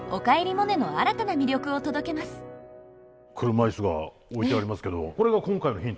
車いすが置いてありますけど。